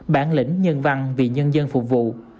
bản lĩnh nhân văn vị nhân dân phục vụ